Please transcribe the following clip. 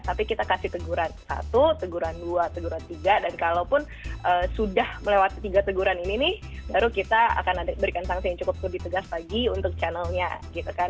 tapi kita kasih teguran satu teguran dua teguran tiga dan kalaupun sudah melewati tiga teguran ini nih baru kita akan berikan sanksi yang cukup lebih tegas lagi untuk channelnya gitu kan